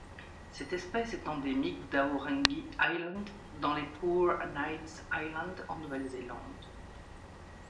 Cette espèce est endémique d'Aorangi Island dans les Poor Knights Islands en Nouvelle-Zélande.